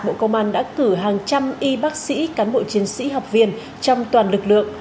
bộ công an đã cử hàng trăm y bác sĩ cán bộ chiến sĩ học viên trong toàn lực lượng